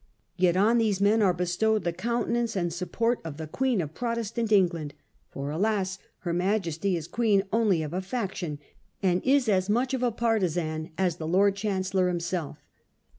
Yet on these men are bestowed the countenance and support of the Queen of Pro testant England. For, alas ! her Majesty is Queen only of a faction, and is as much of a partisan as the Lord Chancellor himself.